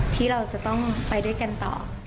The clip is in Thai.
ที่เราจะต้องไปด้วยกันต่อ